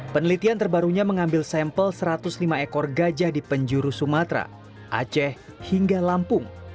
penelitian terbarunya mengambil sampel satu ratus lima ekor gajah di penjuru sumatera aceh hingga lampung